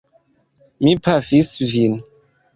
Mi pafis vin!